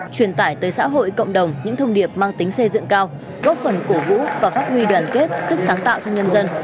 truyền tải tới xã hội cộng đồng những thông điệp mang tính xây dựng cao góp phần cổ vũ và phát huy đoàn kết sức sáng tạo trong nhân dân